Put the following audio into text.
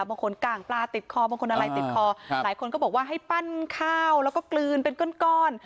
กลางปลาติดคอบางคนอะไรติดคอหลายคนก็บอกว่าให้ปั้นข้าวแล้วก็กลืนเป็นก้อน